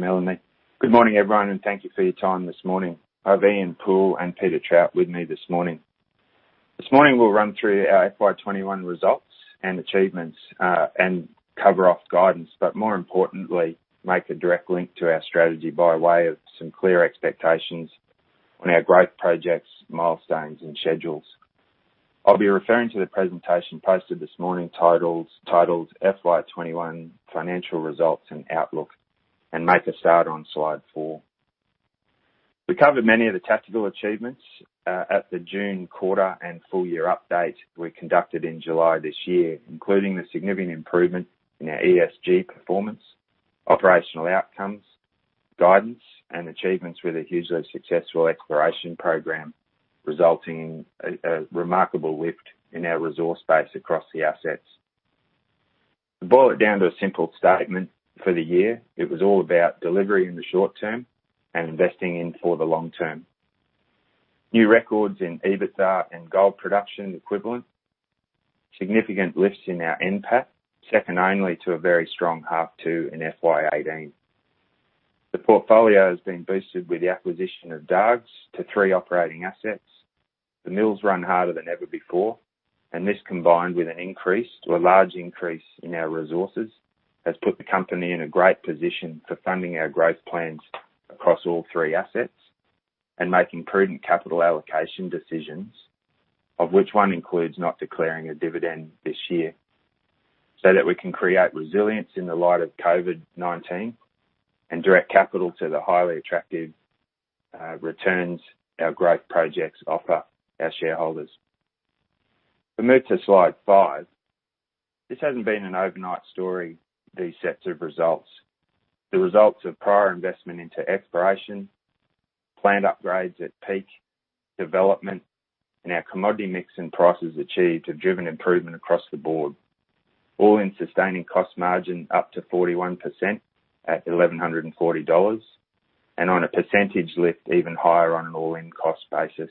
Thank you, Melanie. Good morning, everyone. Thank you for your time this morning. I have Ian Poole and Peter Trout with me this morning. This morning we'll run through our FY 2021 results and achievements, and cover off guidance. More importantly, make a direct link to our strategy by way of some clear expectations on our growth projects, milestones, and schedules. I'll be referring to the presentation posted this morning titled, FY 2021 Financial Results and Outlook, and make a start on slide four. We covered many of the tactical achievements at the June quarter and full year update we conducted in July this year, including the significant improvement in our ESG performance, operational outcomes, guidance, and achievements with a hugely successful exploration program, resulting in a remarkable lift in our resource base across the assets. To boil it down to a simple statement for the year, it was all about delivery in the short term and investing in for the long term. New records in EBITDA and gold production equivalent. Significant lifts in our NPAT, second only to a very strong half two in FY 2018. The portfolio has been boosted with the acquisition of Dargues to three operating assets. The mills run harder than ever before, and this, combined with an increase to a large increase in our resources, has put the company in a great position for funding our growth plans across all three assets, of which one includes not declaring a dividend this year, so that we can create resilience in the light of COVID-19 and direct capital to the highly attractive returns our growth projects offer our shareholders. If we move to slide five. This hasn't been an overnight story, these sets of results. The results of prior investment into exploration, planned upgrades at Peak, development, and our commodity mix and prices achieved have driven improvement across the board. All-in sustaining cost margin up to 41% at 1,140 dollars, and on a percentage lift even higher on an all-in cost basis.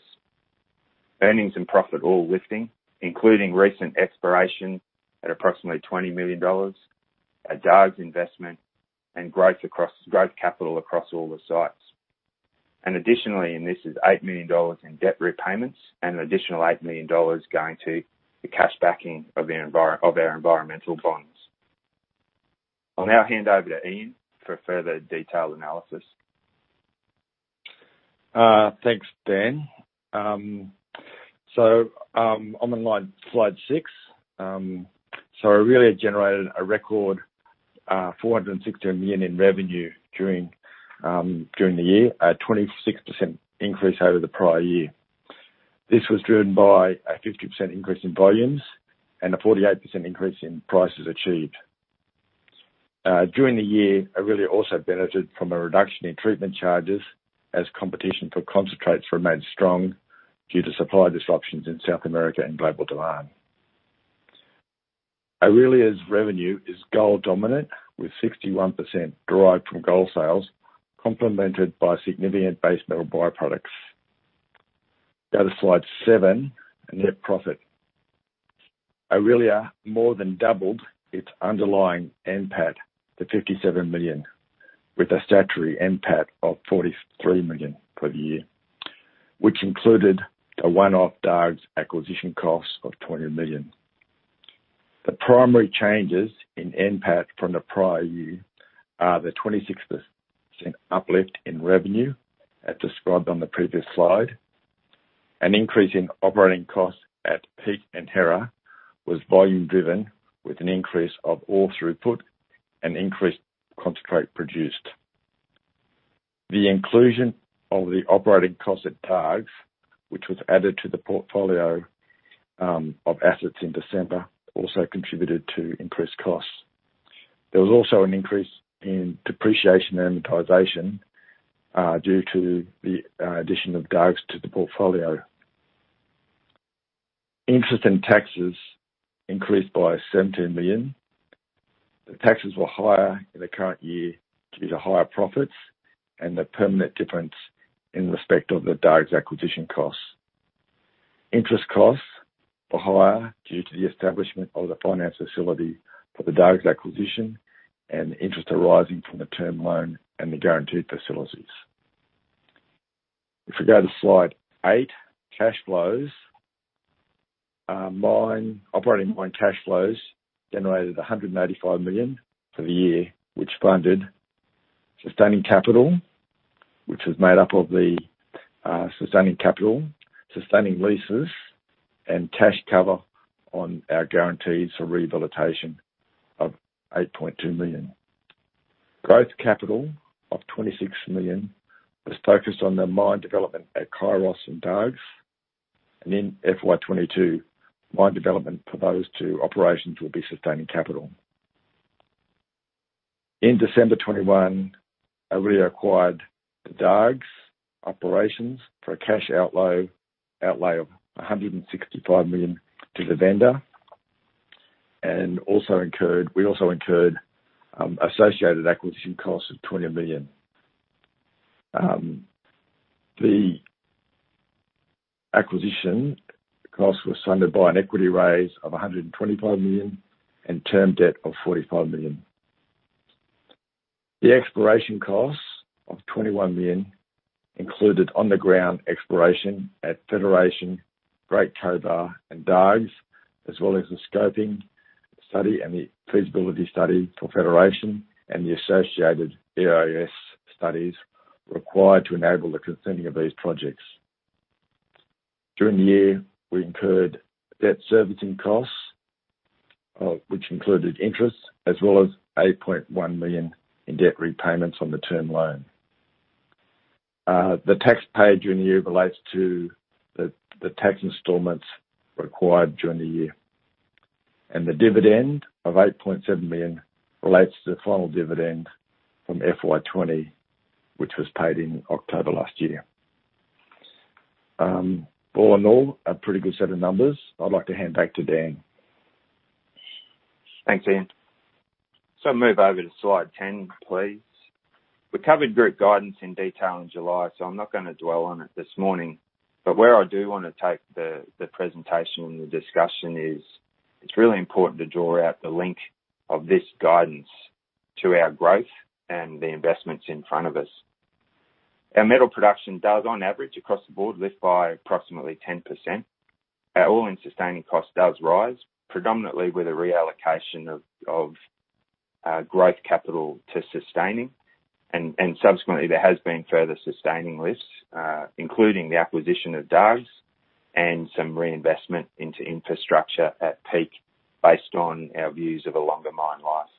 Earnings and profit all lifting, including recent exploration at approximately AUD 20 million, our Dargues investment, and growth capital across all the sites. Additionally, this is eight million dollars in debt repayments and an additional eight million dollars going to the cash backing of our environmental bonds. I'll now hand over to Ian for a further detailed analysis. Thanks, Dan. I'm on slide six. Aurelia generated a record 416 million in revenue during the year, a 26% increase over the prior year. This was driven by a 50% increase in volumes and a 48% increase in prices achieved. During the year, Aurelia also benefited from a reduction in treatment charges as competition for concentrates remained strong due to supply disruptions in South America and global demand. Aurelia's revenue is gold dominant, with 61% derived from gold sales, complemented by significant base metal by-products. Go to slide seven, net profit. Aurelia more than doubled its underlying NPAT to 57 million, with a statutory NPAT of 43 million for the year, which included a one-off Dargues acquisition cost of 20 million. The primary changes in NPAT from the prior year are the 26% uplift in revenue as described on the previous slide. An increase in operating costs at Peak and Hera was volume driven with an increase of ore throughput and increased concentrate produced. The inclusion of the operating cost at Dargues, which was added to the portfolio of assets in December, also contributed to increased costs. There was also an increase in depreciation and amortization due to the addition of Dargues to the portfolio. Interest and taxes increased by 17 million. The taxes were higher in the current year due to higher profits and the permanent difference in respect of the Dargues acquisition costs. Interest costs were higher due to the establishment of the finance facility for the Dargues acquisition and interest arising from the term loan and the guaranteed facilities. If we go to slide eight, cash flows. Operating mine cash flows generated 185 million for the year, which funded sustaining capital, which was made up of the sustaining capital, sustaining leases, and cash cover on our guarantees for rehabilitation of 8.2 million. Growth capital of 26 million was focused on the mine development at Chronos and Dargues, and in FY 2022, mine development proposed to operations will be sustaining capital. In December 2021, Aurelia acquired the Dargues operations for a cash outlay of 165 million to the vendor, and we also incurred associated acquisition costs of 20 million. The acquisition cost was funded by an equity raise of 125 million and term debt of 45 million. The exploration costs of 21 million included on-the-ground exploration at Federation, Great Cobar, and Dargues, as well as the scoping study and the feasibility study for Federation and the associated EIS studies required to enable the consenting of these projects. During the year, we incurred debt servicing costs, which included interest, as well as 8.1 million in debt repayments on the term loan. The tax paid during the year relates to the tax installments required during the year. The dividend of 8.7 million relates to the final dividend from FY 2020, which was paid in October last year. All in all, a pretty good set of numbers. I'd like to hand back to Dan. Thanks, Ian. Move over to Slide 10, please. We covered group guidance in detail in July, so I'm not going to dwell on it this morning, but where I do want to take the presentation and the discussion is, it's really important to draw out the link of this guidance to our growth and the investments in front of us. Our metal production does, on average, across the board, lift by approximately 10%. Our all-in sustaining cost does rise, predominantly with a reallocation of growth capital to sustaining, and subsequently, there has been further sustaining lifts, including the acquisition of Dargues and some reinvestment into infrastructure at Peak based on our views of a longer mine life.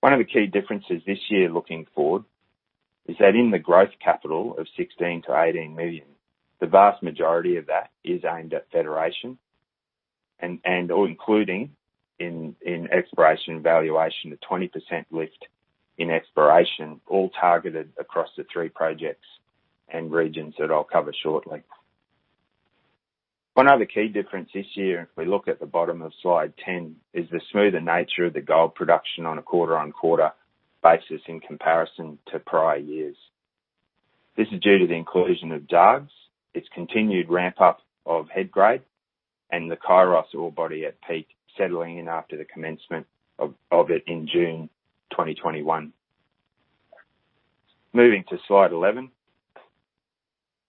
One of the key differences this year looking forward is that in the growth capital of 16 million-18 million, the vast majority of that is aimed at Federation and/or including in exploration valuation, the 20% lift in exploration all targeted across the three projects and regions that I'll cover shortly. One other key difference this year, if we look at the bottom of Slide 10, is the smoother nature of the gold production on a quarter-on-quarter basis in comparison to prior years. This is due to the inclusion of Dargues, its continued ramp-up of head grade, and the Kairos ore body at Peak settling in after the commencement of it in June 2021. Moving to Slide 11.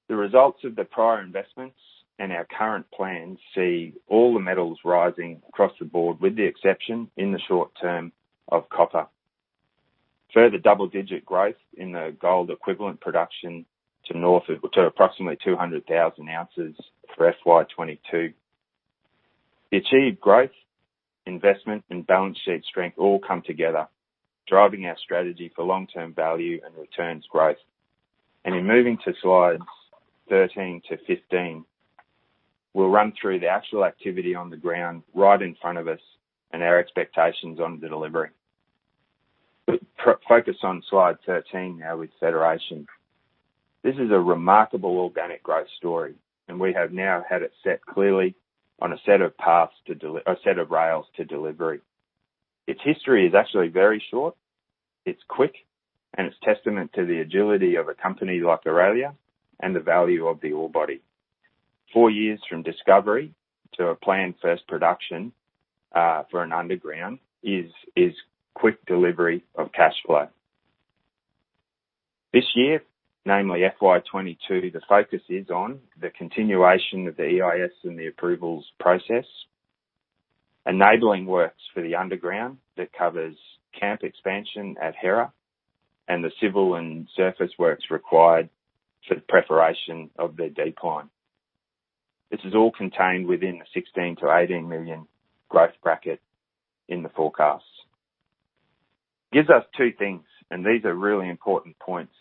The results of the prior investments and our current plans see all the metals rising across the board, with the exception, in the short term, of copper. Further double-digit growth in the gold equivalent production to approximately 200,000 ounces for FY 2022. The achieved growth, investment, and balance sheet strength all come together, driving our strategy for long-term value and returns growth. In moving to Slide 13-Slide 15, we'll run through the actual activity on the ground right in front of us and our expectations on the delivery. Focus on Slide 13 now with Federation. This is a remarkable organic growth story, and we have now had it set clearly on a set of rails to delivery. Its history is actually very short, it's quick, and it's testament to the agility of a company like Aurelia and the value of the ore body. four years from discovery to a planned first production, for an underground is quick delivery of cash flow. This year, namely FY 2022, the focus is on the continuation of the EIS and the approvals process, enabling works for the underground that covers camp expansion at Hera and the civil and surface works required for the preparation of the decline. This is all contained within the 16 million-18 million growth bracket in the forecasts. Gives us two things, and these are really important points.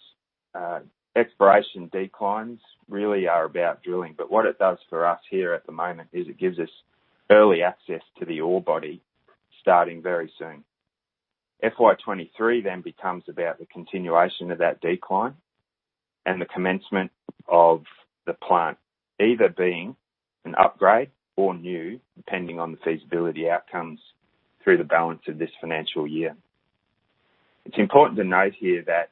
Exploration declines really are about drilling, but what it does for us here at the moment is it gives us early access to the ore body starting very soon. FY 2023 becomes about the continuation of that decline and the commencement of the plant either being an upgrade or new, depending on the feasibility outcomes through the balance of this financial year. It's important to note here that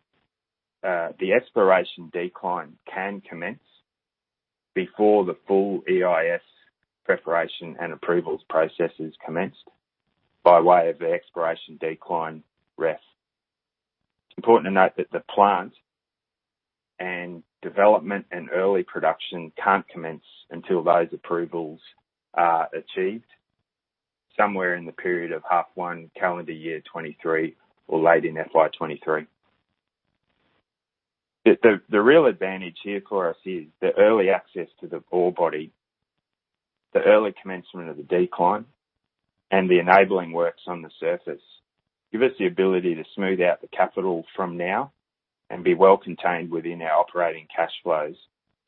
the exploration decline can commence before the full EIS preparation and approvals process is commenced by way of the exploration decline REF. It's important to note that the plant and development and early production can't commence until those approvals are achieved somewhere in the period of half one calendar year 2023 or late in FY 2023. The real advantage here for us is the early access to the ore body, the early commencement of the decline, and the enabling works on the surface give us the ability to smooth out the capital from now and be well contained within our operating cash flows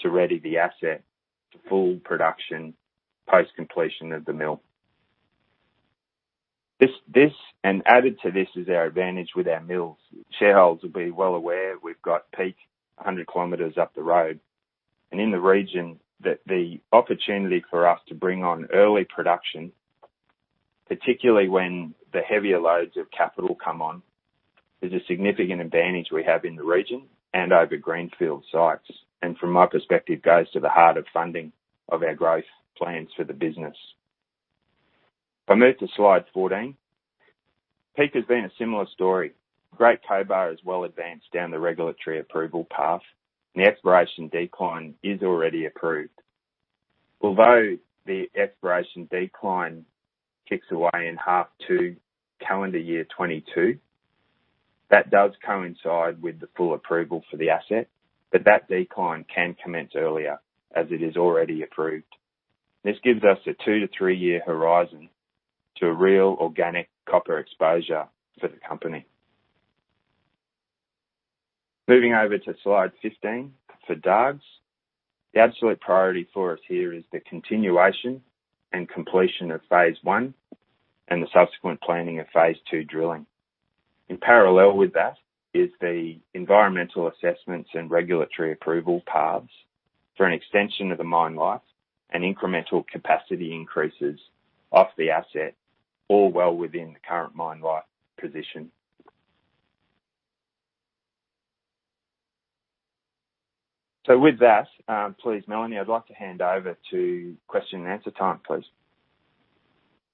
to ready the asset to full production post-completion of the mill. This, and added to this is our advantage with our mills. Shareholders will be well aware we've got Peak 100 km up the road. In the region, that the opportunity for us to bring on early production. Particularly when the heavier loads of capital come on, there's a significant advantage we have in the region and over greenfield sites, and from my perspective, goes to the heart of funding of our growth plans for the business. If I move to Slide 14. Peak has been a similar story. Great Cobar is well advanced down the regulatory approval path, and the exploration decline is already approved. Although the exploration decline kicks away in half two calendar year 2022, that does coincide with the full approval for the asset, but that decline can commence earlier as it is already approved. This gives us a two-year to three-year horizon to real organic copper exposure for the company. Moving over to Slide 15, for Dargues, the absolute priority for us here is the continuation and completion of phase I and the subsequent planning of phase II drilling. In parallel with that is the environmental assessments and regulatory approval paths for an extension of the mine life and incremental capacity increases off the asset, all well within the current mine life position. With that, please, Melanie, I'd like to hand over to question and answer time, please.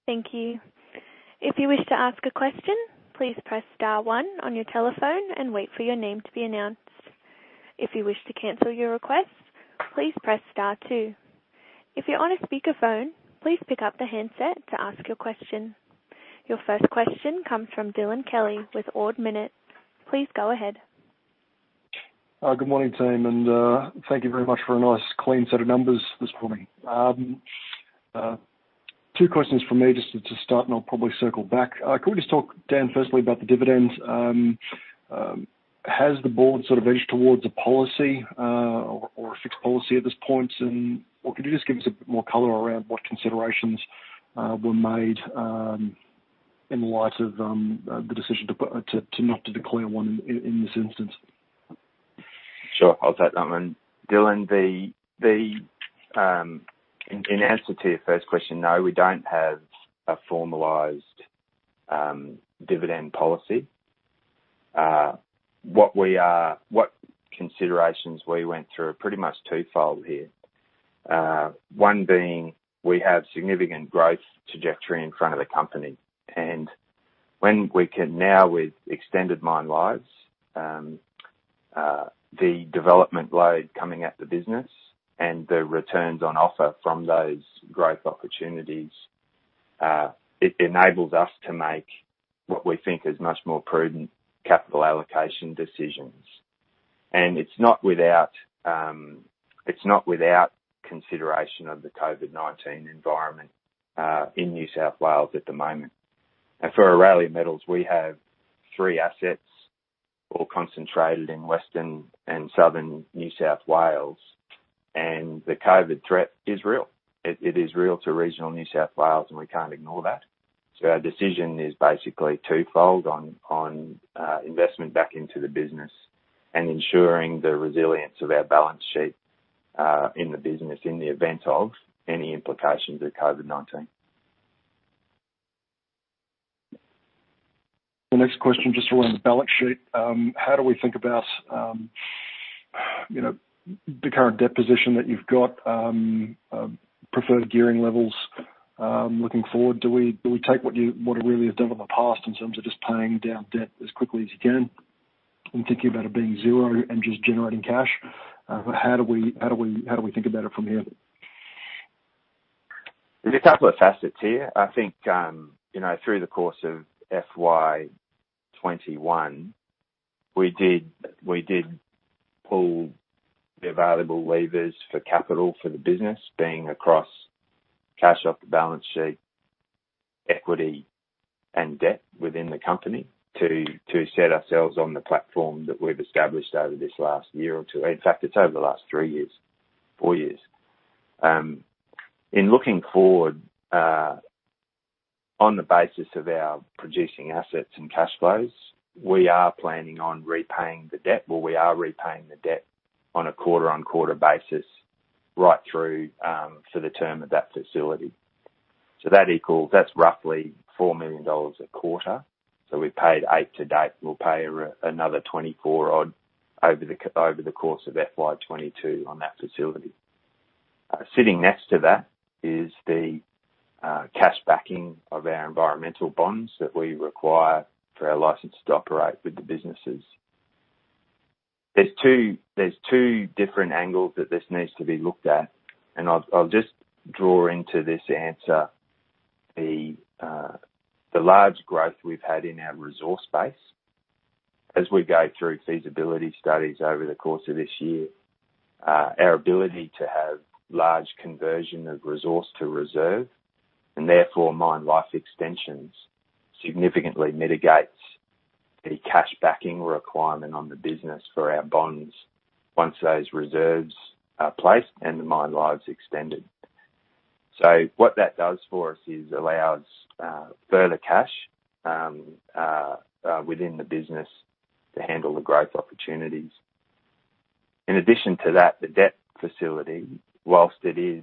Thank you. Your first question comes from Dylan Kelly with Ord Minnett. Please go ahead. Good morning, team, and thank you very much for a nice clean set of numbers this morning. Two questions from me just to start, and I'll probably circle back. Could we just talk, Dan, firstly about the dividend? Has the board sort of edged towards a policy or a fixed policy at this point? Could you just give us a bit more color around what considerations were made in light of the decision to not to declare one in this instance? Sure. I'll take that one. Dylan, in answer to your first question, no, we don't have a formalized dividend policy. What considerations we went through are pretty much twofold here. One being we have significant growth trajectory in front of the company. When we can now with extended mine lives, the development load coming at the business and the returns on offer from those growth opportunities, it enables us to make what we think is much more prudent capital allocation decisions. It's not without consideration of the COVID-19 environment in New South Wales at the moment. For Aurelia Metals, we have three assets all concentrated in Western and Southern New South Wales, and the COVID threat is real. It is real to regional New South Wales, and we can't ignore that. Our decision is basically twofold on investment back into the business and ensuring the resilience of our balance sheet, in the business in the event of any implications of COVID-19. The next question just around the balance sheet. How do we think about the current debt position that you've got, preferred gearing levels, looking forward? Do we take what Aurelia have done in the past in terms of just paying down debt as quickly as you can and thinking about it being zero and just generating cash? How do we think about it from here? There's a couple of facets here. I think, through the course of FY 2021, we did pull the available levers for capital for the business being across cash off the balance sheet, equity, and debt within the company to set ourselves on the platform that we've established over this last year or two. In fact, it's over the last three years, four years. In looking forward, on the basis of our producing assets and cash flows, we are planning on repaying the debt, well, we are repaying the debt on a quarter-on-quarter basis right through, for the term of that facility. That's roughly 4 million dollars a quarter. We've paid 8 to date. We'll pay another 24 odd over the course of FY 2022 on that facility. Sitting next to that is the cash backing of our environmental bonds that we require for our license to operate with the businesses. There's two different angles that this needs to be looked at, and I'll just draw into this answer the large growth we've had in our resource base as we go through feasibility studies over the course of this year. Our ability to have large conversion of resource to reserve, and therefore mine life extensions significantly mitigates any cash backing requirement on the business for our bonds once those reserves are placed and the mine life's extended. What that does for us is allows further cash within the business to handle the growth opportunities. In addition to that, the debt facility, while it is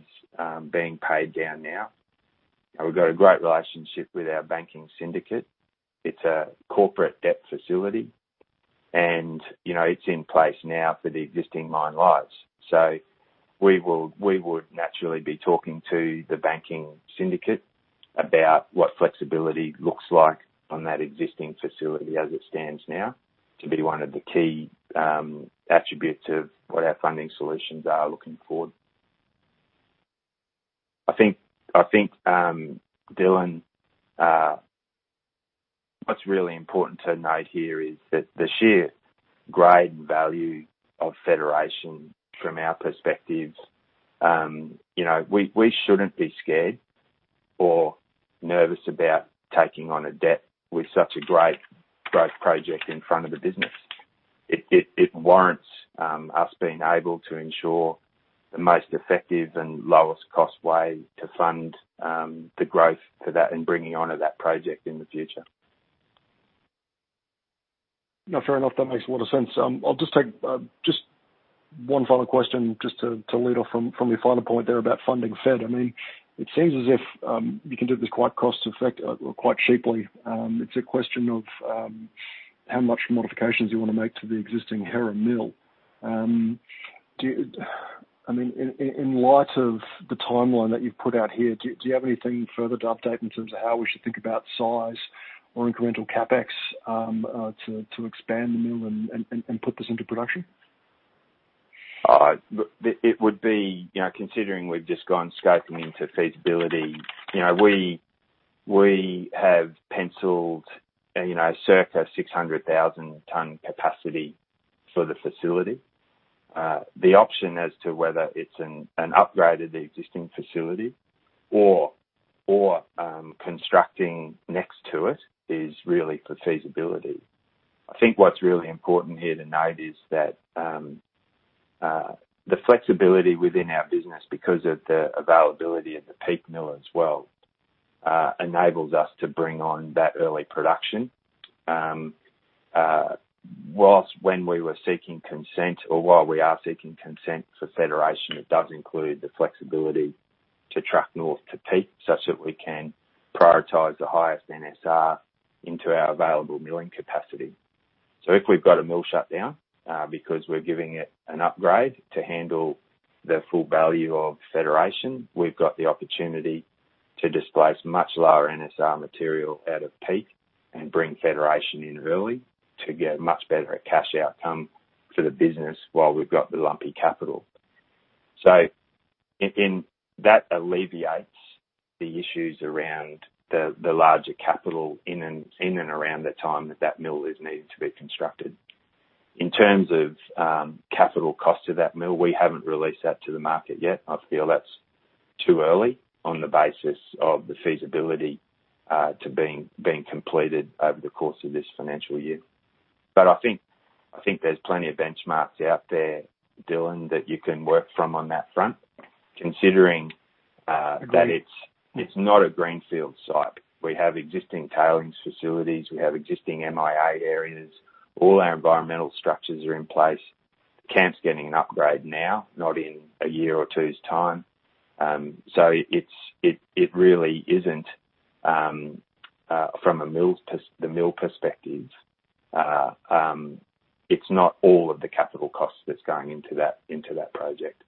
being paid down now, we've got a great relationship with our banking syndicate. It's a corporate debt facility, and it's in place now for the existing mine lives. We would naturally be talking to the banking syndicate about what flexibility looks like on that existing facility as it stands now to be one of the key attributes of what our funding solutions are looking forward. I think, Dylan, what's really important to note here is that the sheer grade and value of Federation from our perspective, we shouldn't be scared or nervous about taking on a debt with such a great growth project in front of the business. It warrants us being able to ensure the most effective and lowest cost way to fund the growth to that and bringing on of that project in the future. No, fair enough. That makes a lot of sense. I'll just take one follow-up question just to lead off from your final point there about funding Fed. It seems as if you can do this quite cheaply. It's a question of how much modifications you want to make to the existing Hera Mill. In light of the timeline that you've put out here, do you have anything further to update in terms of how we should think about size or incremental CapEx to expand the mill and put this into production? It would be, considering we've just gone scoping into feasibility. We have penciled circa 600,000 ton capacity for the facility. The option as to whether it's an upgrade of the existing facility or constructing next to it is really for feasibility. I think what's really important here to note is that the flexibility within our business, because of the availability of the Peak Mill as well, enables us to bring on that early production. Whilst when we were seeking consent or while we are seeking consent for Federation, it does include the flexibility to truck north to Peak such that we can prioritize the highest NSR into our available milling capacity. If we've got a mill shutdown because we're giving it an upgrade to handle the full value of Federation, we've got the opportunity to displace much lower NSR material out of Peak and bring Federation in early to get much better cash outcome for the business while we've got the lumpy capital. In that alleviates the issues around the larger capital in and around the time that mill is needing to be constructed. In terms of capital cost of that mill, we haven't released that to the market yet. I feel that's too early on the basis of the feasibility to being completed over the course of this financial year. I think there's plenty of benchmarks out there, Dylan, that you can work from on that front, considering that it's not a greenfield site. We have existing tailings facilities. We have existing MIA areas. All our environmental structures are in place. Camp's getting an upgrade now, not in a year or two's time. From the mill perspective, it's not all of the capital costs that's going into that project.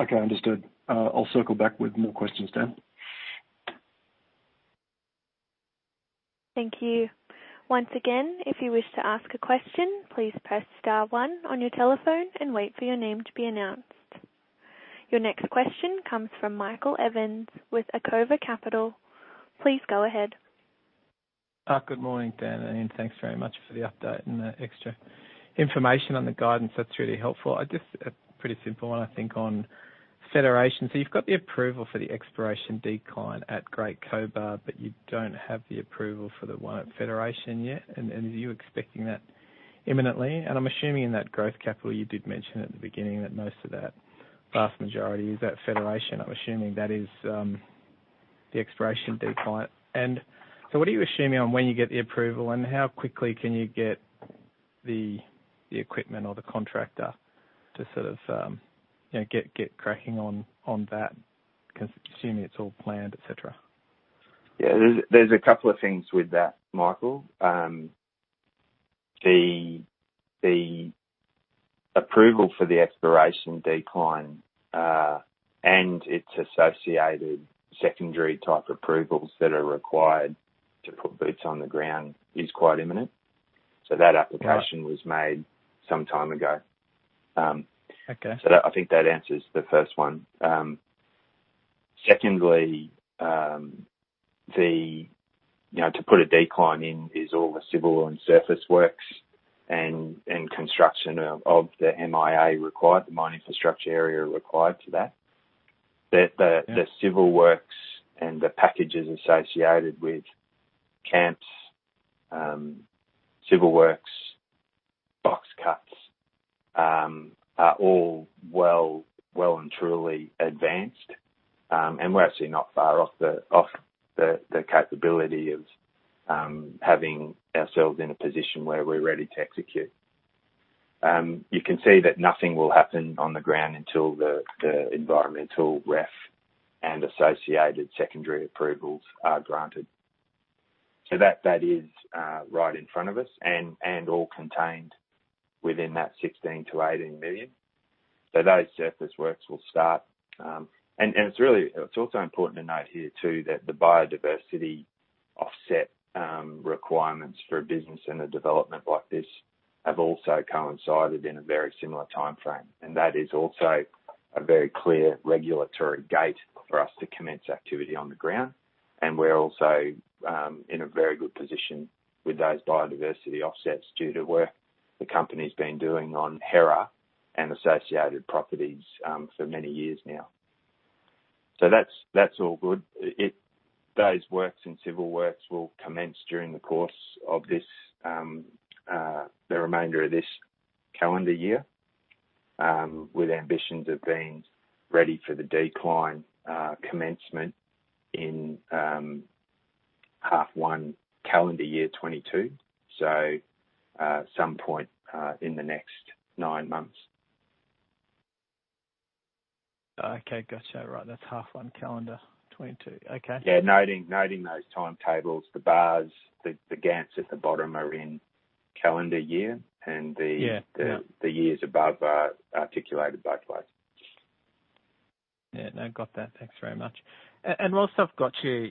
Okay, understood. I'll circle back with more questions then. Thank you. Once again, if you wish to ask a question, please press star one on your telephone and wait for your name to be announced. Your next question comes from Michael Evans with Acova Capital. Please go ahead. Good morning, Dan. Thanks very much for the update and the extra information on the guidance. That's really helpful. Just a pretty simple one, I think, on Federation. You've got the approval for the exploration decline at Great Cobar, but you don't have the approval for the one at Federation yet. Are you expecting that imminently? I'm assuming in that growth capital, you did mention at the beginning that most of that vast majority is at Federation. I'm assuming that is the exploration decline. What are you assuming on when you get the approval, and how quickly can you get the equipment or the contractor to sort of get cracking on that? Because I'm assuming it's all planned, et cetera. Yeah, there's a couple of things with that, Michael. The approval for the exploration decline, and its associated secondary type approvals that are required to put boots on the ground is quite imminent. That application was made some time ago. Okay. I think that answers the first one. Secondly, to put a decline in is all the civil and surface works and construction of the MIA required, the mine infrastructure area required to that. The civil works and the packages associated with camps, civil works, box cut are all well and truly advanced, and we're actually not far off the capability of having ourselves in a position where we're ready to execute. You can see that nothing will happen on the ground until the environmental REF and associated secondary approvals are granted. That is right in front of us and all contained within that 16 million-18 million. Those surface works will start. It's also important to note here too, that the biodiversity offset requirements for a business and a development like this have also coincided in a very similar timeframe. That is also a very clear regulatory gate for us to commence activity on the ground. We're also in a very good position with those biodiversity offsets due to work the company's been doing on Hera and associated properties for many years now. That's all good. Those works and civil works will commence during the course of the remainder of this calendar year, with ambitions of being ready for the decline commencement in H1 calendar year 2022. At some point in the next nine months. Okay. Got you. Right. That's half one calendar 2022. Okay. Yeah. Noting those timetables, the bars, the GANTTs at the bottom are in calendar year. Yeah The years above are articulated both ways. Yeah. No, got that. Thanks very much. Whilst I've got you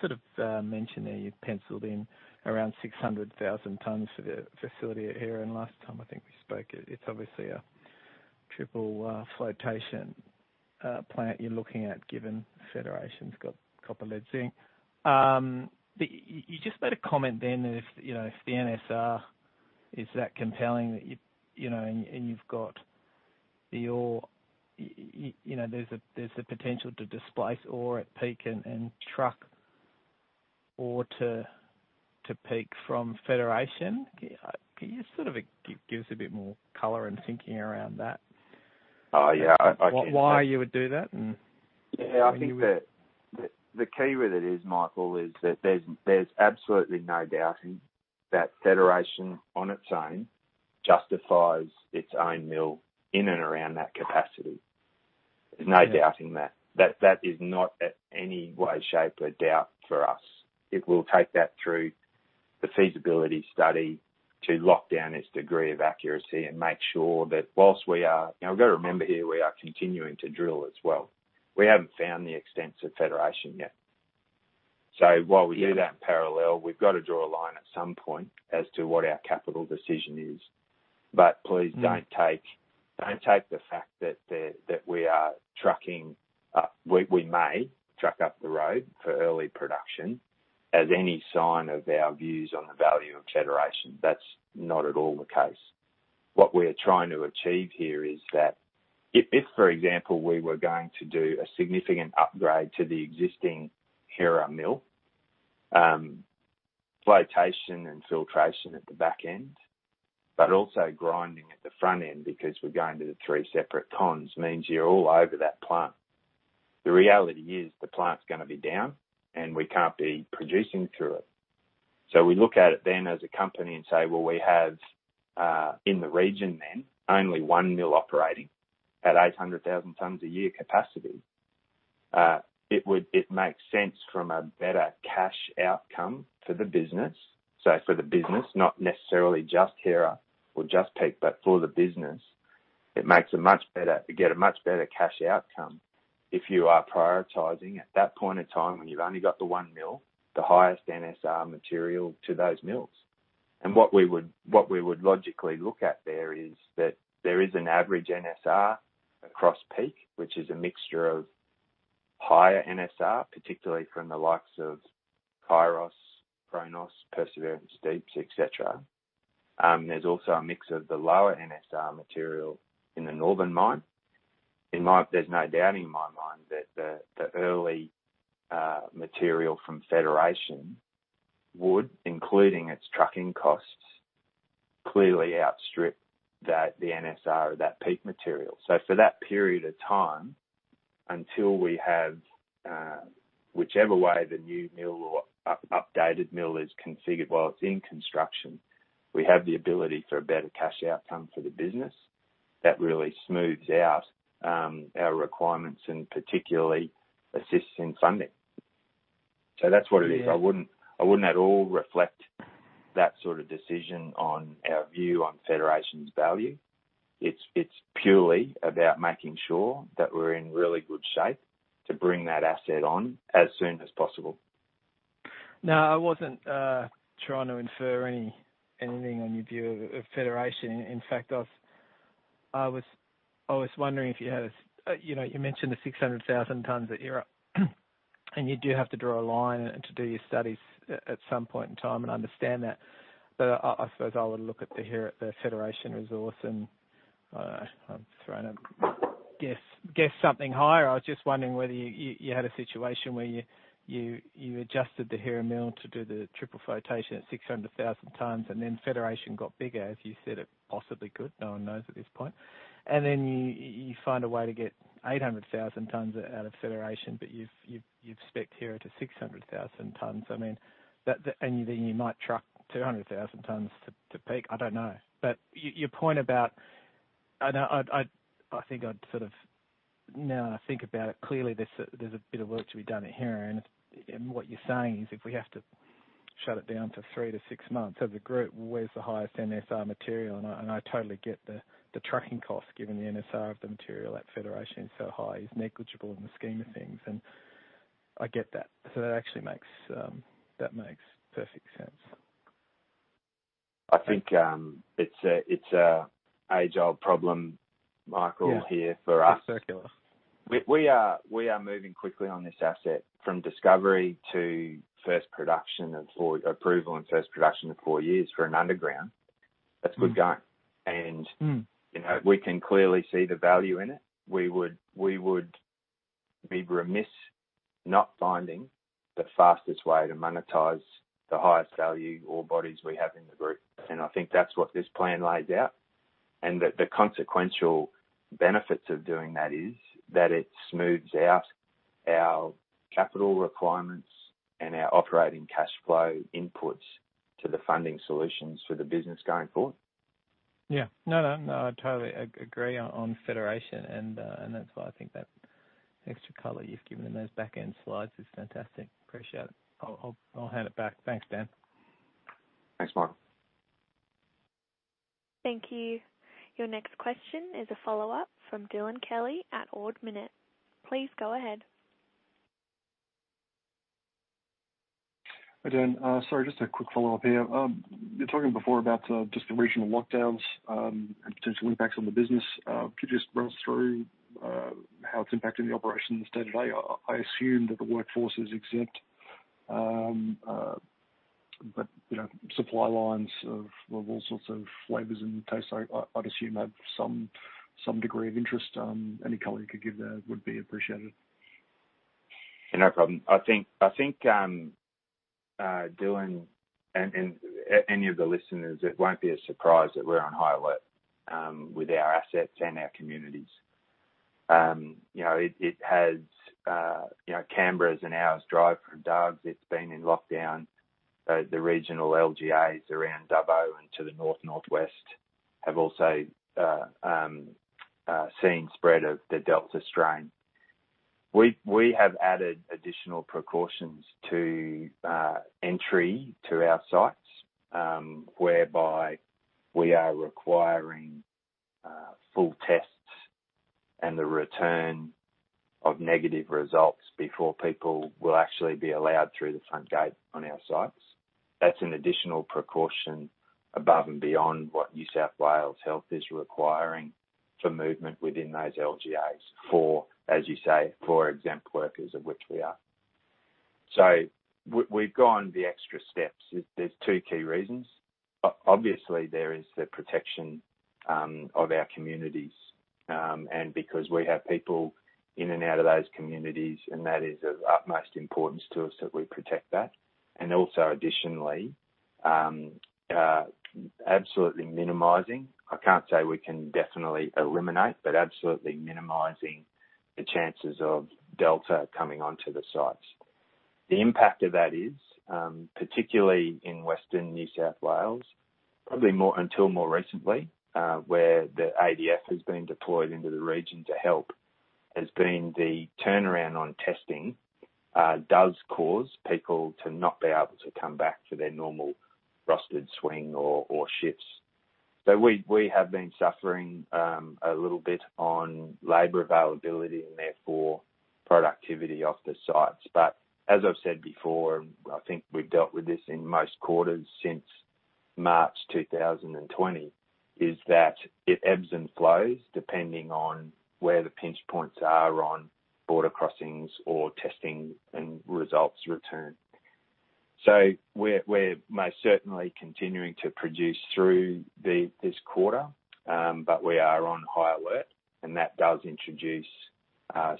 sort of mentioned there you penciled in around 600,000 tons for the facility at Hera, and last time I think we spoke, it's obviously a triple flotation plant you're looking at given Federation's got copper, lead, zinc. You just made a comment then if the NSR is that compelling and there's the potential to displace ore at Peak and truck ore to Peak from Federation. Can you sort of give us a bit more color and thinking around that? Oh, yeah. Why you would do that? Yeah, I think that the key with it, Michael, is that there's absolutely no doubting that Federation on its own justifies its own mill in and around that capacity. There's no doubting that. That is not at any way shape or doubt for us. It will take that through the feasibility study to lock down its degree of accuracy and make sure that. Now, you've got to remember here, we are continuing to drill as well. We haven't found the extents of Federation yet. While we do that in parallel, we've got to draw a line at some point as to what our capital decision is. Please don't take the fact that we may truck up the road for early production as any sign of our views on the value of Federation. That's not at all the case. What we're trying to achieve here is that if, for example, we were going to do a significant upgrade to the existing Hera Mill, flotation and filtration at the back end, but also grinding at the front end because we're going to the 3 separate tons, means you're all over that plant. The reality is the plant's going to be down and we can't be producing through it. We look at it then as a company and say, well, we have, in the region then, only one mill operating at 800,000 tonnes a year capacity. It makes sense from a better cash outcome for the business. For the business, not necessarily just Hera or just Peak, but for the business, you get a much better cash outcome if you are prioritizing at that point in time when you've only got the one mill, the highest NSR material to those mills. What we would logically look at there is that there is an average NSR across Peak, which is a mixture of higher NSR, particularly from the likes of Chronos, Perseverance Deep, et cetera. There's also a mix of the lower NSR material in the northern mine. There's no doubt in my mind that the early material from Federation would, including its trucking costs, clearly outstrip the NSR of that Peak material. For that period of time, until we have whichever way the new mill or updated mill is configured while it's in construction, we have the ability for a better cash outcome for the business. That really smooths out our requirements and particularly assists in funding. That's what it is. I wouldn't at all reflect that sort of decision on our view on Federation's value. It's purely about making sure that we're in really good shape to bring that asset on as soon as possible. No, I wasn't trying to infer anything on your view of Federation. In fact, I was wondering if you had You mentioned the 600,000 tonnes that you're. You do have to draw a line and to do your studies at some point in time, and I understand that. I suppose I would look at the Federation resource. I'm just trying to guess something higher. I was just wondering whether you had a situation where you adjusted the Hera Mill to do the triple flotation at 600,000 tons. Federation got bigger, as you said it possibly could. No one knows at this point. You find a way to get 800,000 tonnes out of Federation. You've specced Hera to 600,000 tons. You might truck 200,000 tons to Peak. I don't know. Your point about Now that I think about it, clearly there's a bit of work to be done at Hera, and what you're saying is if we have to shut it down for three to six months, as a group, where's the highest NSR material? I totally get the trucking cost, given the NSR of the material at Federation is so high, it's negligible in the scheme of things. I get that. That actually makes perfect sense. I think it's an age-old problem, Michael, here for us. Yeah. It's circular. We are moving quickly on this asset from discovery to first production, approval and first production in four years for an underground. That's good going. We can clearly see the value in it. We would be remiss not finding the fastest way to monetize the highest value ore bodies we have in the group. I think that's what this plan lays out, and the consequential benefits of doing that is that it smooths out our capital requirements and our operating cash flow inputs to the funding solutions for the business going forward. Yeah. No, I totally agree on Federation. That's why I think that extra color you've given in those back-end slides is fantastic. Appreciate it. I'll hand it back. Thanks, Dan. Thanks, Michael. Thank you. Your next question is a follow-up from Dylan Kelly at Ord Minnett. Please go ahead. Hi, Dan. Sorry, just a quick follow-up here. You were talking before about just the regional lockdowns, and potential impacts on the business. Could you just run us through how it's impacting the operations day to day? I assume that the workforce is exempt. Supply lines of all sorts of flavors and tastes, I'd assume have some degree of interest. Any color you could give there would be appreciated. No problem. I think, Dylan, and any of the listeners, it won't be a surprise that we're on high alert with our assets and our communities. Canberra is an hour's drive from Dargues. It's been in lockdown. The regional LGAs around Dubbo and to the north, northwest have also seen spread of the Delta strain. We have added additional precautions to entry to our sites, whereby we are requiring full tests and the return of negative results before people will actually be allowed through the front gate on our sites. That's an additional precaution above and beyond what New South Wales Health is requiring for movement within those LGAs for, as you say, for exempt workers, of which we are. We've gone the extra steps. There's two key reasons. Obviously, there is the protection of our communities, and because we have people in and out of those communities, and that is of utmost importance to us that we protect that. I can't say we can definitely eliminate, but absolutely minimizing the chances of Delta coming onto the sites. The impact of that is, particularly in western New South Wales, probably until more recently, where the ADF has been deployed into the region to help, has been the turnaround on testing does cause people to not be able to come back to their normal rostered swing or shifts. We have been suffering a little bit on labor availability and therefore productivity off the sites. As I've said before, I think we've dealt with this in most quarters since March 2020, is that it ebbs and flows depending on where the pinch points are on border crossings or testing and results return. We're most certainly continuing to produce through this quarter, but we are on high alert, and that does introduce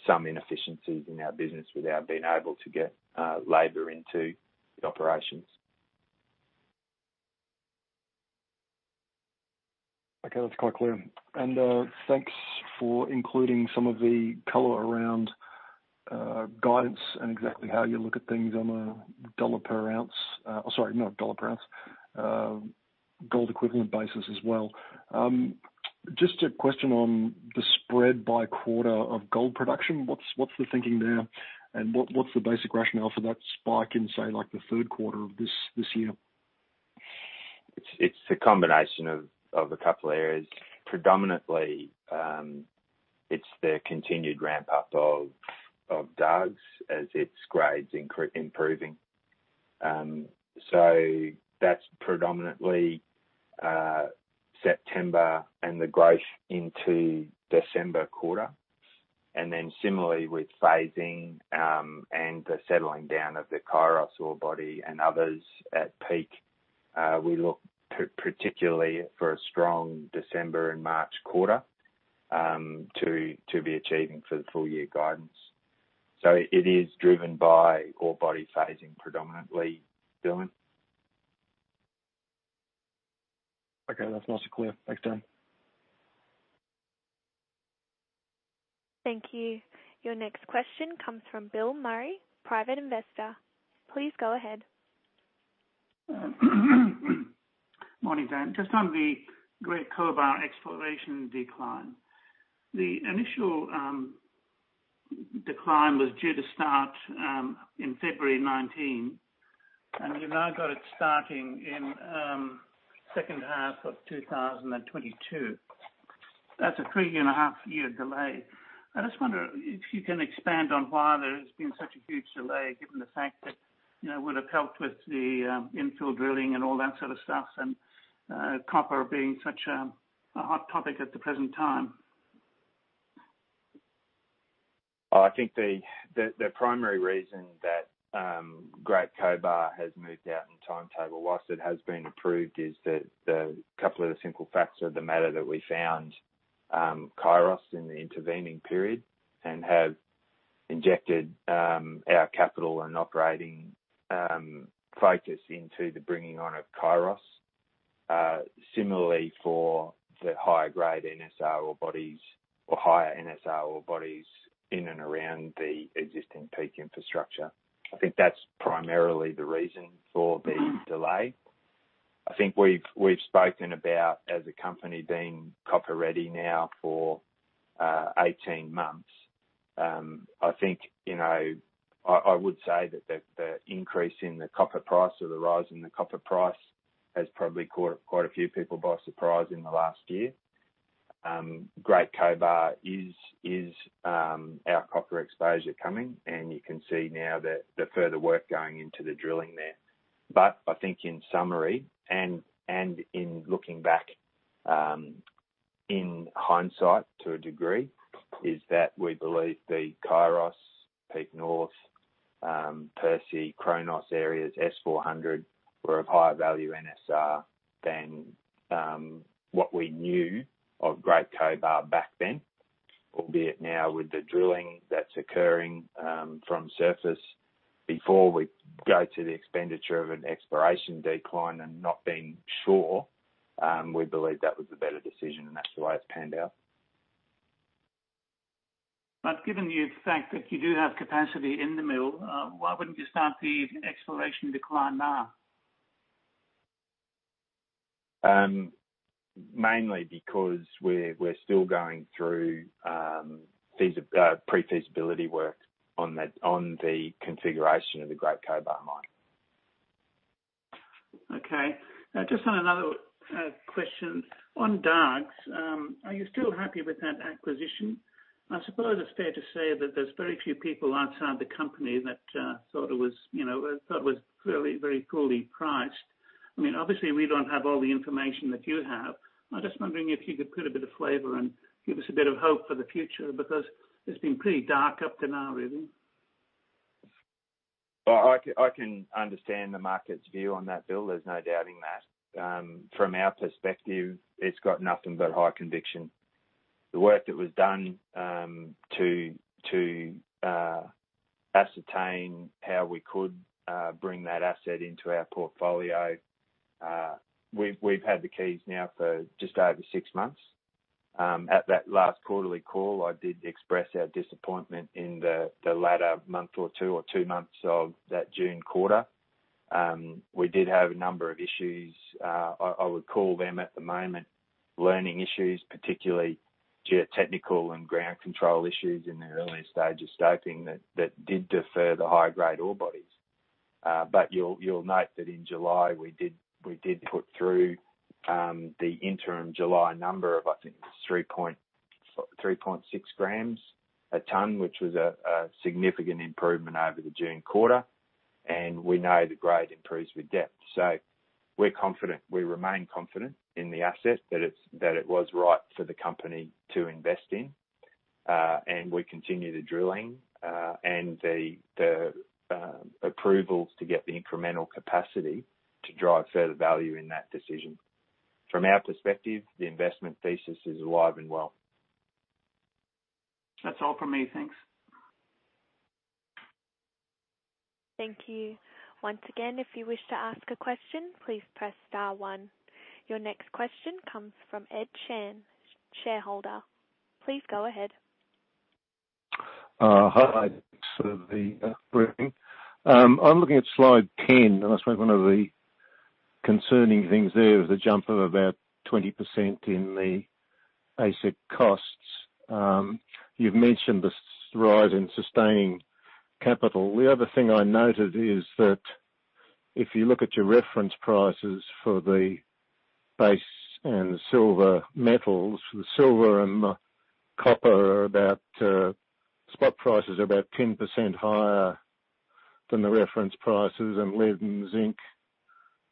some inefficiencies in our business with our being able to get labor into the operations. Okay, that's quite clear. Thanks for including some of the color around guidance and exactly how you look at things on an AUD per ounce. Sorry, not AUD per ounce, gold equivalent basis as well. Just a question on the spread by quarter of gold production. What's the thinking there, and what's the basic rationale for that spike in, say, like the third quarter of this year? It's a combination of a couple areas. Predominantly, it's the continued ramp-up of Dargues as its grades improving. That's predominantly September and the growth into December quarter. Similarly with phasing and the settling down of the Chronos ore body and others at Peak, we look particularly for a strong December and March quarter to be achieving for the full-year guidance. It is driven by ore body phasing predominantly, Dylan. Okay, that's nice and clear. Thanks, Dan. Thank you. Your next question comes from Bill Murray, Private Investor. Please go ahead. Morning, Dan. Just on the Great Cobar exploration decline. The initial decline was due to start in February 2019, and you've now got it starting in second half of 2022. That's a 3.5-year delay. I just wonder if you can expand on why there's been such a huge delay, given the fact that, it would have helped with the infill drilling and all that sort of stuff, and copper being such a hot topic at the present time. I think the primary reason that Great Cobar has moved out in timetable, whilst it has been approved, is that the couple of the simple facts of the matter that we found Chronos in the intervening period and have injected our capital and operating focus into the bringing on of Chronos. Similarly, for the higher grade NSR ore bodies or higher NSR ore bodies in and around the existing Peak infrastructure. I think that's primarily the reason for the delay. I think we've spoken about as a company being copper-ready now for 18 months. I think, I would say that the increase in the copper price or the rise in the copper price has probably caught quite a few people by surprise in the last year. Great Cobar is our copper exposure coming, and you can see now the further work going into the drilling there. I think in summary, and in looking back in hindsight to a degree, is that we believe the Kairos, Peak North, Perseverance, Chronos areas, S400, were of higher value NSR than what we knew of Great Cobar back then. Albeit now with the drilling that's occurring from surface before we go to the expenditure of an exploration decline and not being sure, we believe that was the better decision, and that's the way it's panned out. Given the fact that you do have capacity in the mill, why wouldn't you start the exploration decline now? Mainly because we're still going through pre-feasibility work on the configuration of the Great Cobar mine. Okay. Just on another question. On Dargues, are you still happy with that acquisition? I suppose it's fair to say that there's very few people outside the company that thought it was clearly very poorly priced. I mean, obviously, we don't have all the information that you have. I'm just wondering if you could put a bit of flavor and give us a bit of hope for the future, because it's been pretty dark up to now, really. Well, I can understand the market's view on that, Bill. There's no doubting that. From our perspective, it's got nothing but high conviction. The work that was done to ascertain how we could bring that asset into our portfolio. We've had the keys now for just over six months. At that last quarterly call, I did express our disappointment in the latter two months of that June quarter. We did have a number of issues. I would call them at the moment, learning issues, particularly geotechnical and ground control issues in the early stage of scoping that did defer the high-grade ore bodies. You'll note that in July, we did put through the interim July number of, I think it was 3.6 grams a ton, which was a significant improvement over the June quarter. We know the grade improves with depth. We're confident. We remain confident in the asset that it was right for the company to invest in. We continue the drilling, and the approvals to get the incremental capacity to drive further value in that decision. From our perspective, the investment thesis is alive and well. That's all from me. Thanks. Thank you. Once again, if you wish to ask a question, please press star one. Your next question comes from Ed Chan, shareholder. Please go ahead. Hi. Thanks for the briefing. I'm looking at Slide 10, I suppose one of the concerning things there is the jump of about 20% in the AISC costs. You've mentioned this rise in sustaining capital. The other thing I noted is that if you look at your reference prices for the base and silver metals. The silver and copper are about, spot prices are about 10% higher than the reference prices, lead and zinc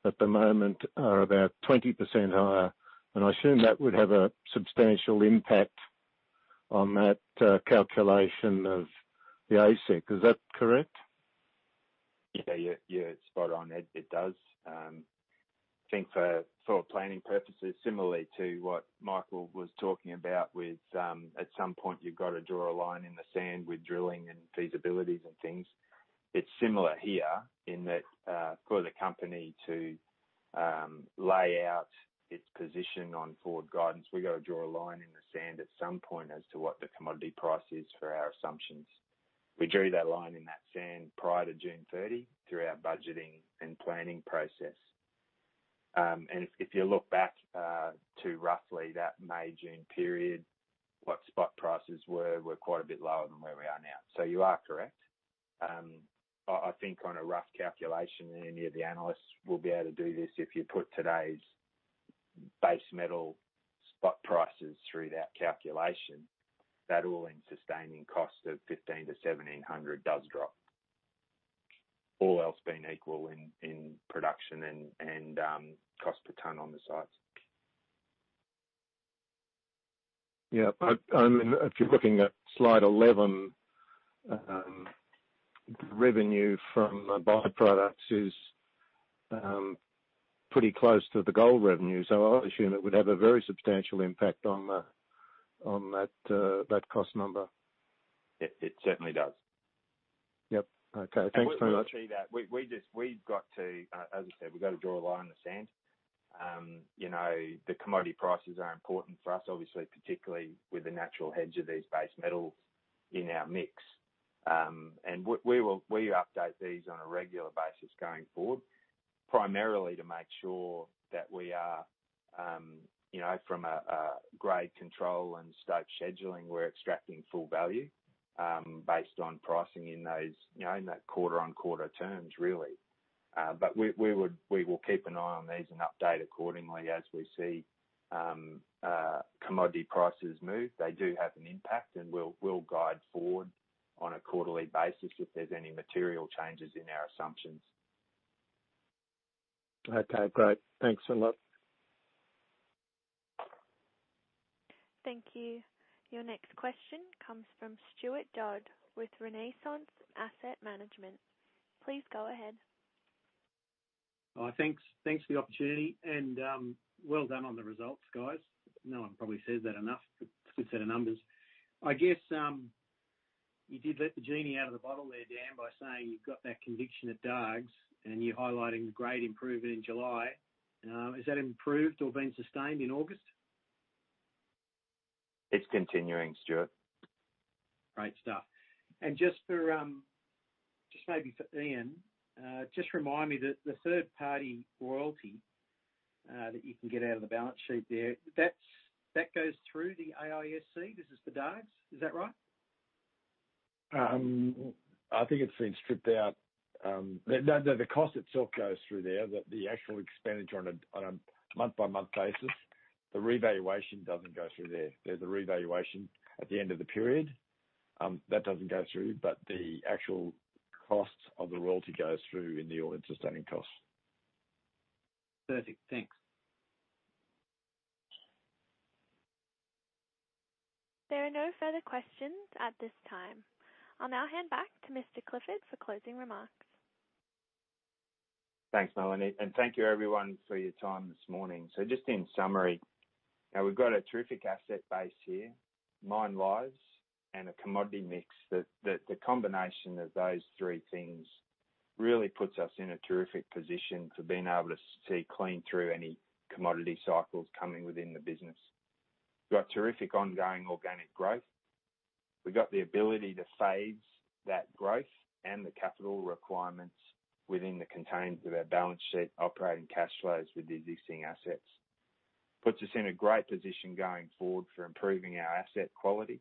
at the moment are about 20% higher. I assume that would have a substantial impact on that calculation of the AISC. Is that correct? Yeah. You're spot on, Ed. It does. I think for planning purposes, similarly to what Michael was talking about with, at some point you've got to draw a line in the sand with drilling and feasibilities and things. It's similar here in that, for the company to lay out its position on forward guidance, we got to draw a line in the sand at some point as to what the commodity price is for our assumptions. We drew that line in that sand prior to June 30 through our budgeting and planning process. If you look back to roughly that May, June period, what spot prices were quite a bit lower than where we are now. You are correct. I think on a rough calculation, any of the analysts will be able to do this, if you put today's base metal spot prices through that calculation, that all-in sustaining cost of 1,500-1,700 does drop. All else being equal in production and cost per ton on the sites. Yeah. If you're looking at Slide 11, revenue from by-products is pretty close to the gold revenue. I would assume it would have a very substantial impact on that cost number. It certainly does. Yep. Okay. Thanks very much. We'll achieve that. We've got to, as I said, we've got to draw a line in the sand. The commodity prices are important for us, obviously, particularly with the natural hedge of these base metals in our mix. We update these on a regular basis going forward, primarily to make sure that we are, from a grade control and stope scheduling, we're extracting full value, based on pricing in those, in that quarter-on-quarter terms, really. We will keep an eye on these and update accordingly as we see commodity prices move. They do have an impact, and we'll guide forward on a quarterly basis if there's any material changes in our assumptions. Okay, great. Thanks a lot. Thank you. Your next question comes from Stuart Dodd with Renaissance Asset Management. Please go ahead. Thanks for the opportunity, and well done on the results, guys. No one probably says that enough, but good set of numbers. I guess, you did let the genie out of the bottle there, Dan, by saying you've got that conviction at Dargues, and you're highlighting great improvement in July. Has that improved or been sustained in August? It's continuing, Stuart. Great stuff. Just maybe for Ian, just remind me that the third-party royalty that you can get out of the balance sheet there, that goes through the AISC. This is for Dargues. Is that right? I think it's been stripped out. The cost itself goes through there. The actual expenditure on a month-by-month basis. The revaluation doesn't go through there. There's a revaluation at the end of the period, that doesn't go through, but the actual cost of the royalty goes through in the all-in sustaining cost. Perfect. Thanks. There are no further questions at this time. I'll now hand back to Mr. Clifford for closing remarks. Thanks, Melanie. Thank you everyone for your time this morning. Just in summary, we've got a terrific asset base here, mine lives, and a commodity mix that the combination of those three things really puts us in a terrific position for being able to see clean through any commodity cycles coming within the business. We've got terrific ongoing organic growth. We've got the ability to phase that growth and the capital requirements within the confines of our balance sheet, operating cash flows with the existing assets. Puts us in a great position going forward for improving our asset quality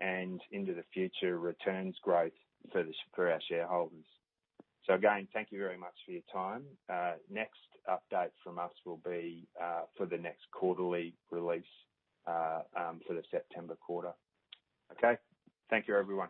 and into the future returns growth for our shareholders. Again, thank you very much for your time. Next update from us will be for the next quarterly release for the September quarter. Okay. Thank you, everyone.